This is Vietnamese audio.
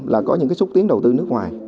là có những xúc tiến đầu tư nước ngoài